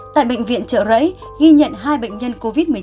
tại bệnh viện chợ rẫy ghi nhận hai bệnh nhân có mất mát và mất mắt